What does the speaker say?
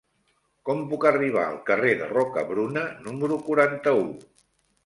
Com puc arribar al carrer de Rocabruna número quaranta-u?